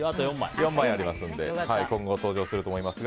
４枚あるので今後、登場すると思いますが。